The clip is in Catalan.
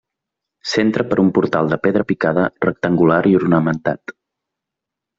S'entra per un portal de pedra picada, rectangular i ornamentat.